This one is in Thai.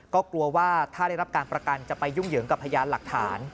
ก็กลัวว่าถ้าได้รับการประกันจะไปยุ่งเหยิงกับพยานหลักฐาน